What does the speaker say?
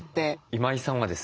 今井さんはですね